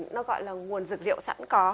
nó gọi là nguồn dực liệu sẵn có